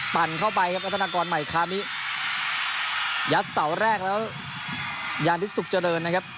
ปั่นเข้าไปครับวัฒนากรใหม่คามิยัดเสาแรกแล้วยานฤทธิสุขเจริญนะครับ